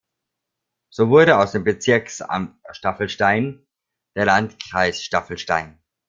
So wurde aus dem Bezirksamt Staffelstein der Landkreis Staffelstein.